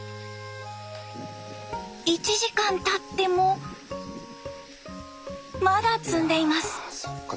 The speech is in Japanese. １時間たってもまだ摘んでいます。